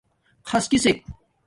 خس کسک